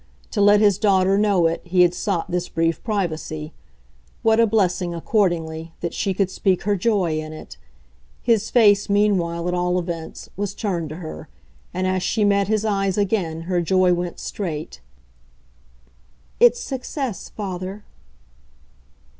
To let his daughter know it he had sought this brief privacy. What a blessing, accordingly, that she could speak her joy in it! His face, meanwhile, at all events, was turned to her, and as she met his eyes again her joy went straight. "It's success, father."